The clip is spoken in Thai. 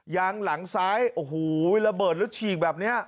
ยางหลังซ้ายโอ้โหระเบิดแล้วฉีกแบบนี้